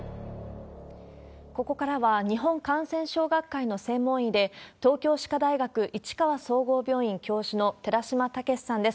ここからは、日本感染症学会の専門医で東京歯科大学市川総合病院教授の、寺嶋毅さんです。